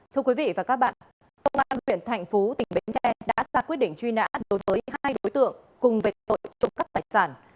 thưa quý vị và các bạn công an huyện thành phố tỉnh bến tre đã ra quyết định truy nã đối với hai đối tượng cùng vệnh tội trụ cấp tài sản